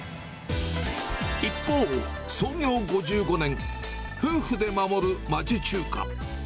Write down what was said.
一方、創業５５年、夫婦で守る町中華。